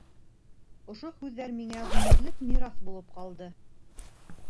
Ошо һүҙҙәр миңә ғүмерлек мираҫ булып ҡалды.